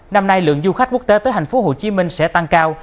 năm nay lượng du khách quốc tế tới tp hcm sẽ tăng cao